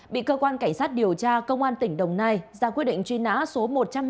bị cơ quan cảnh sát điều tra công an tỉnh đồng nai ra quyết định truy nã số một trăm năm mươi